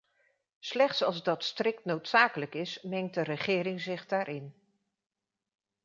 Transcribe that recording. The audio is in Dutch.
Slechts als dat strikt noodzakelijk is, mengt de regering zich daarin.